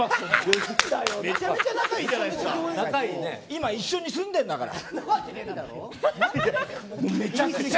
今一緒に住んでんだから。